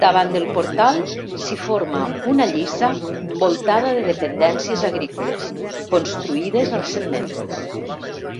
Davant del portal s'hi forma una lliça voltada de dependències agrícoles, construïdes recentment.